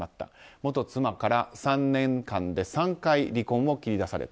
元妻から３年間で３回離婚を切り出された。